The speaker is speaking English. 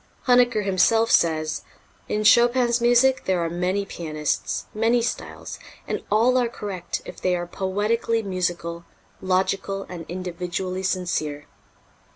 Huneker himself says: "In Chopin's music there are many pianists, many styles, and all are correct if they are poetically musical, logical and individually sincere."